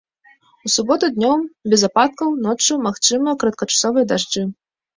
У суботу днём без ападкаў, ноччу магчымыя кароткачасовыя дажджы.